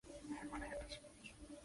Es nativa del Cono Sur sudamericano.